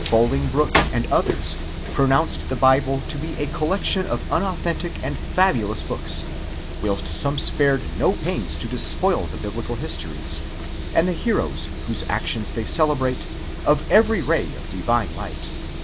Bolingbroke,? and others, pronounced the Bible to be a collection of unauthentic and fabulous books ; whilst some spared no pains to despoil the biblical histories, and the heroes whose actions they celebrate, of every ray of divine light.